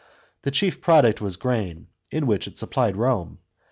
The chief product was grain, with which it supplied Home.